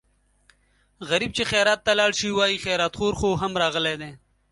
غریب چې خیرات ته لاړ شي وايي خیراتخور خو هم راغلی دی.